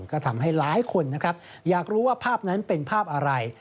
ก็ทำให้หลายคนนะครับอยากรู้ว่าภาพนั้นเป็นภาพอะไร